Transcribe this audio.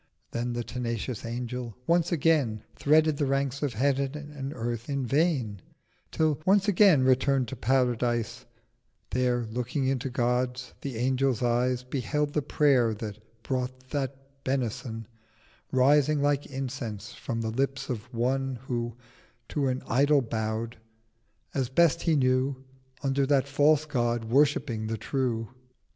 Then the tenacious Angel once again Threaded the Ranks of Heav'n and Earth—in vain— Till, once again return'd to Paradise, There, looking into God's, the Angel's Eyes Beheld the Prayer that brought that Benison Rising like Incense from the Lips of one Who to an Idol bowed—as best he knew Under that False God worshipping the True.